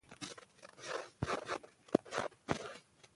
افغانستان د کلي په اړه علمي څېړنې لري.